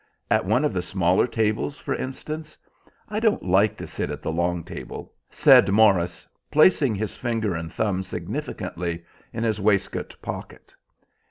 At one of the smaller tables, for instance? I don't like to sit at the long table," said Morris, placing his finger and thumb significantly in his waistcoat pocket.